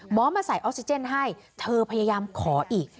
มาใส่ออกซิเจนให้เธอพยายามขออีก